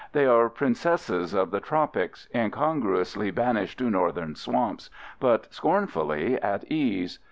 They are princesses of the tropics, incongruously banished to Northern swamps, but scornfully at ease.